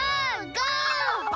ゴー！